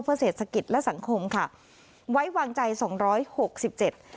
เศรษฐกิจและสังคมค่ะไว้วางใจสองร้อยหกสิบเจ็ด